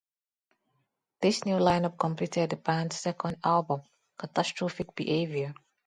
This new lineup completed the band's second album, "Catastrophic Behavior".